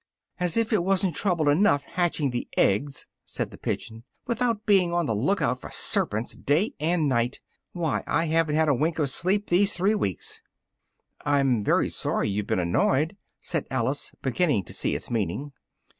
"As if it wasn't trouble enough hatching the eggs!" said the pigeon, "without being on the look out for serpents, day and night! Why, I haven't had a wink of sleep these three weeks!" "I'm very sorry you've been annoyed," said Alice, beginning to see its meaning.